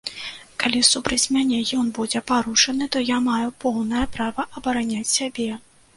Калі супраць мяне ён будзе парушаны, то я маю поўнае права абараняць сябе.